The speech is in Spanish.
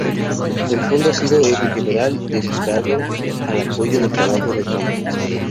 El Fondo ha sido, en general, dedicado al apoyo del trabajo de campo.